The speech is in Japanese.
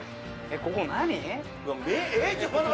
ここ何？